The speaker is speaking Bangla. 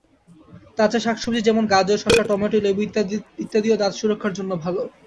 তাজা শাক-সবজি যেমন গাজর, শসা, টমেটো, লেবু ইত্যাদিও দাঁত সুরক্ষার জন্য ভালো।